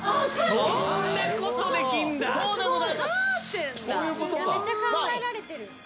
めっちゃ考えられてる。